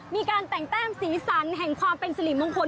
มีการแต่งแต้มสีสันแห่งความเป็นสิริมงคล